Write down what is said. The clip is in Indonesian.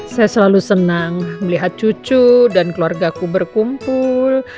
saya selalu senang melihat cucu dan keluarga ku berkumpul